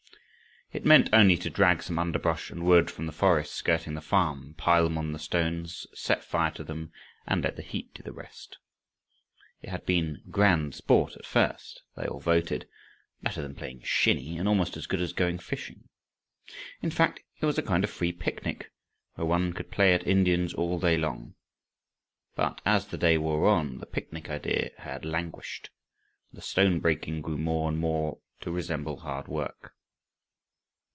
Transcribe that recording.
It meant only to drag some underbrush and wood from the forest skirting the farm, pile them on the stones, set fire to them, and let the heat do the rest. It had been grand sport at first, they all voted, better than playing shinny, and almost as good as going fishing. In fact it was a kind of free picnic, where one could play at Indians all day long. But as the day wore on, the picnic idea had languished, and the stone breaking grew more and more to resemble hard work.